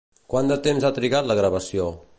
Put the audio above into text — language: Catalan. Quant de temps ha trigat la gravació?